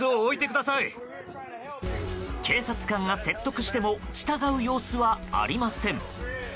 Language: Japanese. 警察官が説得しても従う様子はありません。